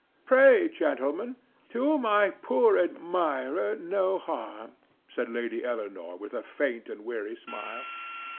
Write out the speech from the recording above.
"Pray, gentlemen, do my poor admirer no harm," said Lady Eleanore, with a faint and weary smile.